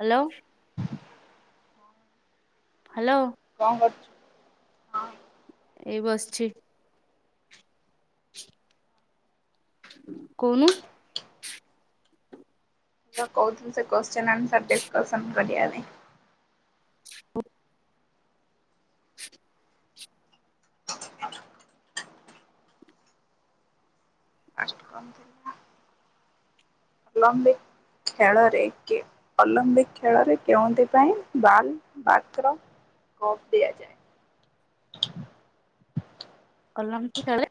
Hello. Hello କଣ କରୁଛୁ? ଏଇ ବସିଛି। କଉନୁ। ଯୋ କହୁଥିଲ ସେ କୋଶ୍ଚେନ୍ ଆନ୍ସର୍ ଡିସକସନ୍ କରିବା ପାଇଁ। ଉ ଫାଷ୍ଟ ଲମ୍ବି ଖେଳରେ କେ ଅଲମ୍ପିକ ଖେଳରେ କେଉଁଥିପାଇଁ ବାଲ ବାତ୍ର କପ୍ ଦିଆଯାଏ। ଅଲିମ୍ପିକ ଖେଳରେ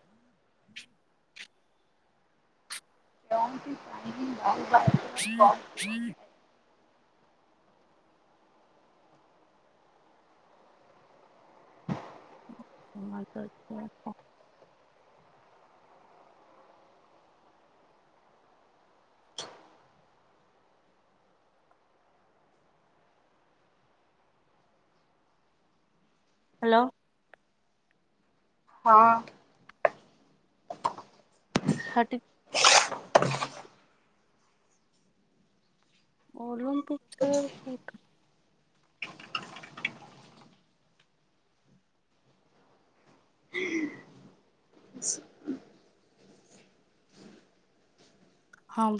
କେଉଁଥିପାଇଁ ବାଲ ୍ରୀଂ ୍ରୀ [unintelligible] ହ୍ୟାଲୋ। ହଁ। ଥାର୍ଟି ଅଲମ୍ପିକ୍ ଖେଳ କୋଉଠା? ହଁ ବ